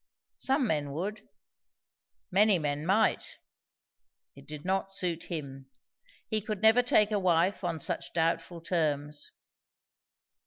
Some men would; many men might; it did not suit him. He could never take a wife on such doubtful terms.